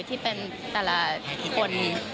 ที่เป็นแต่ละคน